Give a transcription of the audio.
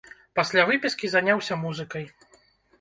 Пасля выпіскі заняўся музыкай.